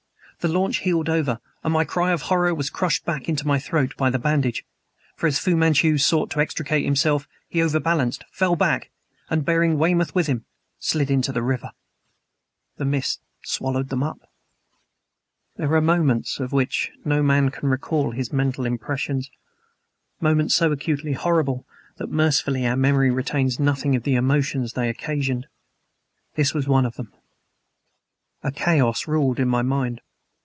The launch heeled over, and my cry of horror was crushed back into my throat by the bandage. For, as Fu Manchu sought to extricate himself, he overbalanced fell back and, bearing Weymouth with him slid into the river! The mist swallowed them up. There are moments of which no man can recall his mental impressions, moments so acutely horrible that, mercifully, our memory retains nothing of the emotions they occasioned. This was one of them. A chaos ruled in my mind.